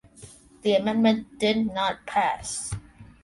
The amendment did not pass.